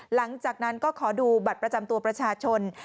หลังจากนั้นก็ขอดูบัตรประจำตัวประชาชน